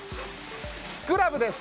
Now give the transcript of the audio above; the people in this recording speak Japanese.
グラブです。